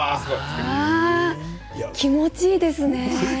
気持ちいいですね。